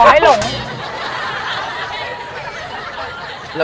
ให้หลง